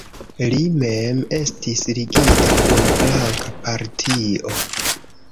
Li mem estis ligita kun blanka partio.